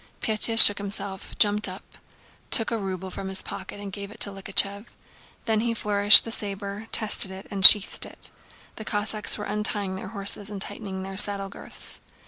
Pétya shook himself, jumped up, took a ruble from his pocket and gave it to Likhachëv; then he flourished the saber, tested it, and sheathed it. The Cossacks were untying their horses and tightening their saddle girths.